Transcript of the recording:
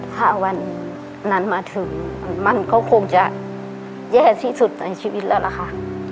ถ้าวันนั้นมาถึงมันก็คงจะแย่ที่สุดในชีวิตแล้วล่ะค่ะ